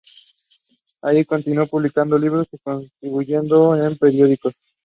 Allí continuó publicando libros y contribuyendo en periódicos.